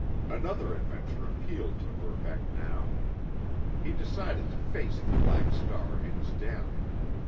Another adventure appealed to Verbeck now. He decided to face the Black Star in his den.